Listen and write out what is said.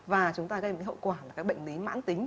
và chúng ta gây một cái hậu quả là các bệnh lý mãn tính